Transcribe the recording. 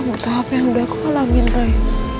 kamu tau apa yang udah aku alamin roy